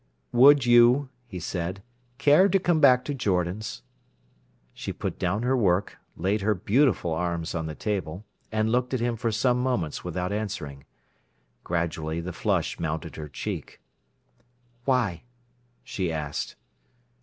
"Would you," he said, "care to come back to Jordan's?" She put down her work, laid her beautiful arms on the table, and looked at him for some moments without answering. Gradually the flush mounted her cheek. "Why?" she asked.